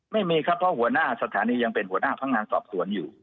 ไม่มีครับเพราะหัวหน้าสถานียังเป็นหัวหน้าพนักงานสอบสวนอยู่